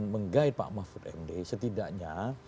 menggait pak mahfud md setidaknya